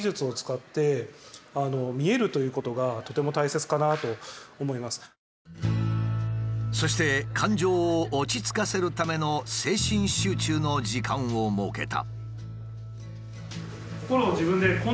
そうするとやっぱりそして感情を落ち着かせるための精神集中の時間を設けた。